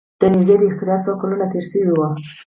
د نیزې د اختراع څو کلونه تیر شوي وو.